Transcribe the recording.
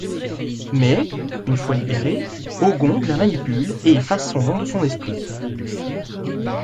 Mais, une fois libéré, Oh-Gong la manipule et efface son nom de son esprit.